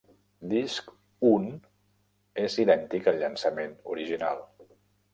Disc un és idèntic al llançament original.